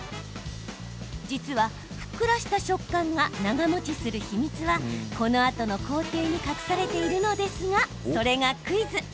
実は、ふっくらした食感が長もちする秘密はこのあとの工程に隠されているのですがそれがクイズ。